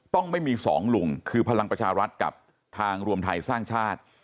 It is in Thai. ต้องไม่มีสองลุงคือพลังประชารัฐกับทางรวมไทยสร้างชาติ